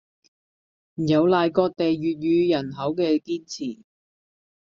有賴各地粵語人口嘅堅持